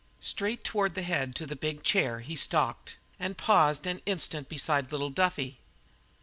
Straight toward the head to the big chair he stalked, and paused an instant beside little Duffy.